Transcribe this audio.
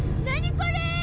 これ！